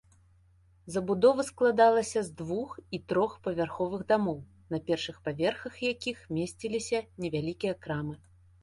Забудова складалася з двух- і трохпавярховых дамоў, на першых паверхах якіх месціліся невялікія крамы.